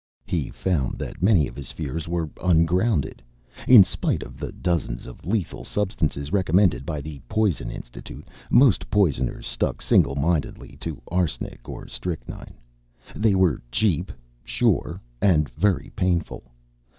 He found that many of his fears were ungrounded. In spite of the dozens of lethal substances recommended by the Poison Institute, most poisoners stuck single mindedly to arsenic or strychnine. They were cheap, sure, and very painful.